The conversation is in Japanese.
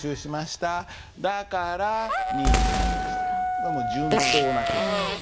これもう順当な結果。